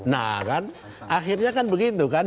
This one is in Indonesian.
nah kan akhirnya kan begitu kan